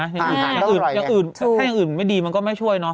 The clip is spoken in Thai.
อย่างอื่นอย่างอื่นอย่างอื่นถ้าอย่างอื่นไม่ดีมันก็ไม่ช่วยเนาะ